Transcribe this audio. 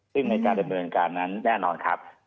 ซึ่งในการดำเนินการนั้นแน่นอนครับ